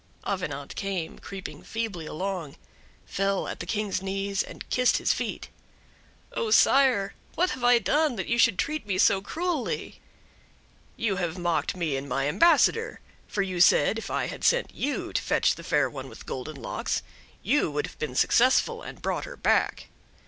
Avenant came, creeping feebly along, fell at the King's knees, and kissed his feet: "Oh sire, what have I done that you should treat me so cruelly?" "You have mocked me and my ambassador; for you said, if I had sent you to fetch the Fair One with Golden Locks, you would have been successful and brought her back."